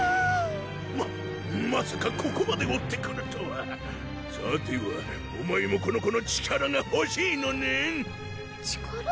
ままさかここまで追ってくるとはさてはお前もこの子の力がほしいのねん⁉力？